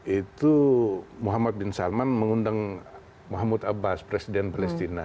itu muhammad bin salman mengundang muhammad abbas presiden palestina